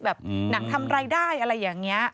แบบหนังทำไรได้อะไรอย่างนี้